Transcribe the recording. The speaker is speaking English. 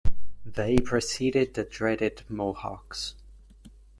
They preceded the dreaded Mohocks.